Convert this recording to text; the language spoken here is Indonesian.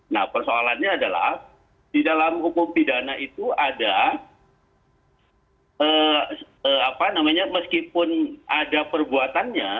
nah persoalannya adalah di dalam hukum pidana itu ada meskipun ada perbuatannya